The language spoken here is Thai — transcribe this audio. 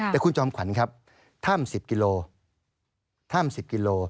แต่คุณจอมขวัญครับถ้ำ๑๐กิโลเมตร